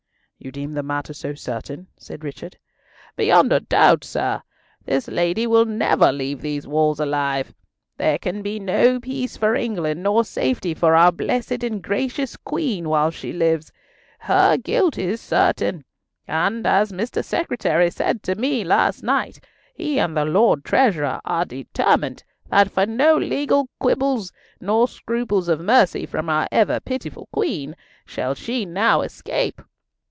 "You deem the matter so certain?" said Richard. "Beyond a doubt, sir. This lady will never leave these walls alive. There can be no peace for England nor safety for our blessed and gracious Queen while she lives. Her guilt is certain; and as Mr. Secretary said to me last night, he and the Lord Treasurer are determined that for no legal quibbles, nor scruples of mercy from our ever pitiful Queen, shall she now escape.